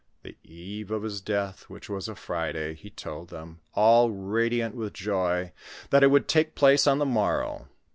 The eve of his death, which was a Friday, he told them, all radiant with joy, that it would take place on the morrow.